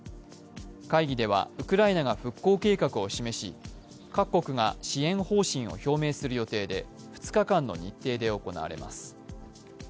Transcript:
会議ではウクライナが復興計画を示し各国が支援方針を表明する予定で２日間の日程で行われます。